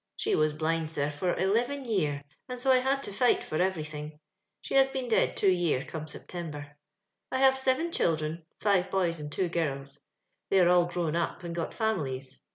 She was blind, sir, for eleven year, and so I haJ to liglit for everything : she has been dead two year, come September. " i have seven children, five boys and two Kirls; they are all grown up and got families.